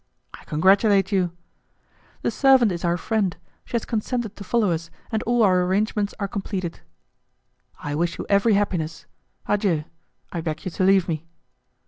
"I congratulate you." "The servant is our friend; she has consented to follow us, and all our arrangements are completed." "I wish you every happiness. Adieu. I beg you to leave me."